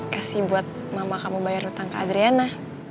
kasih buat mama kamu bayar utang ke adriana